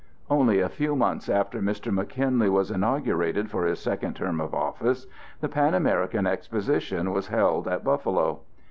Only a few months after Mr. McKinley was inaugurated for his second term of office, the Pan American Exposition was held at Buffalo.